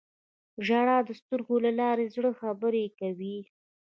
• ژړا د سترګو له لارې د زړه خبرې کوي.